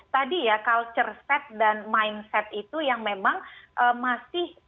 tadi ya culture set dan mindset itu yang memang masih